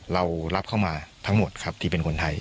เรารับเข้ามาทั้งหมดครับที่เป็นคนไทย